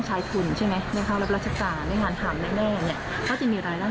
จนถึงเมื่อเขาตัดเสียงอายุราชการ